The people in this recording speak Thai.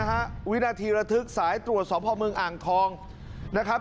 รีบการไล่ล่านะฮะวินาทีละทึกสายตรวจสอบภาคเมืองอ่างทองนะครับ